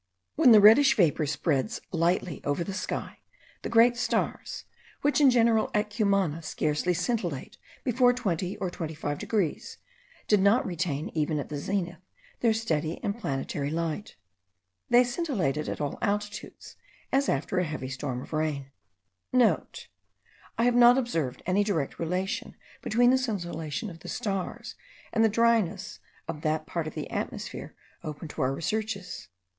When the reddish vapour spreads lightly over the sky, the great stars, which in general, at Cumana, scarcely scintillate below 20 or 25 degrees, did not retain even at the zenith, their steady and planetary light. They scintillated at all altitudes, as after a heavy storm of rain.* (* I have not observed any direct relation between the scintillation of the stars and the dryness of that part of the atmosphere open to our researches.